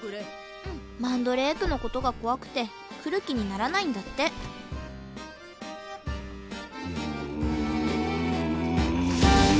マンドレークのことが怖くて来る気にならないんだってうう！